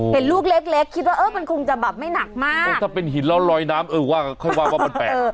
เห็นลูกเล็กเล็กคิดว่าเออมันคงจะแบบไม่หนักมากถ้าเป็นหินแล้วลอยน้ำเออว่าค่อยว่าว่ามันแปลก